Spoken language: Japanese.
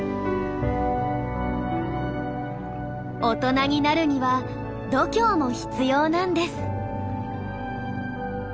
大人になるには度胸も必要なんです。